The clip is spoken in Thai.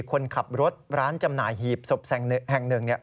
คนขับรถร้านจำหน่ายหีบศพแห่งหนึ่งเนี่ย